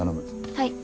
はい。